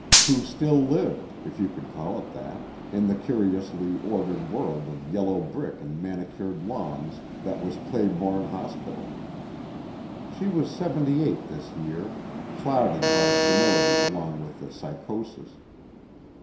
Who still lived, if you could call it that, in the curiously ordered world of yellow brick and manicured lawns that was Claiborne Hospital. She was seventy eight this year, clouded by senility along with the psychosis.